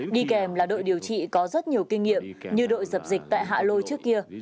đi kèm là đội điều trị có rất nhiều kinh nghiệm như đội dập dịch tại hạ lôi trước kia